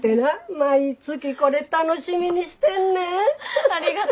毎月これ楽しみにしてんねん。